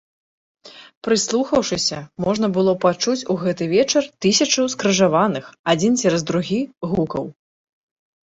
Прыслухаўшыся, можна было пачуць у гэты вечар тысячу скрыжаваных, адзін цераз другі, гукаў.